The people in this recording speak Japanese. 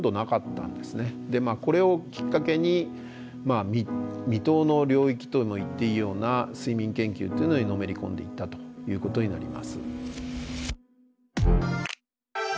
これをきっかけに未踏の領域とも言っていいような睡眠研究っていうのにのめり込んでいったということになります。